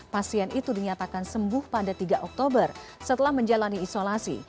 pasien itu dinyatakan sembuh pada tiga oktober setelah menjalani isolasi